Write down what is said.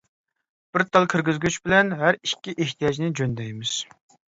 بىر تال كىرگۈزگۈچ بىلەن ھەر ئىككى ئېھتىياجنى جۆندەيمىز.